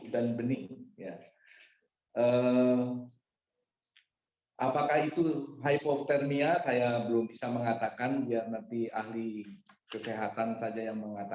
dan kami berkomunikasi dengan old management